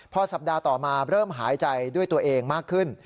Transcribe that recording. พอสัปดาห์ต่อมาเริ่มหายใจด้วยตัวเองมากขึ้น